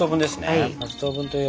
はい！